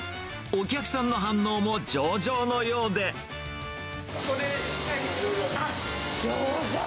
お客さんの反応も上々のようこれ、ギョーザ。